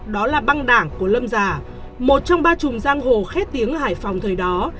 đó là băng đảng của lâm già một trong ba chùm giang hồ khét tiếng hải phòng thời đó